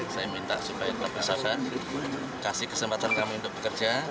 saya minta supaya tetap bersama kasih kesempatan kami untuk bekerja